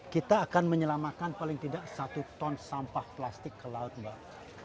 kita akan menyelamatkan paling tidak satu ton sampah plastik ke laut mbak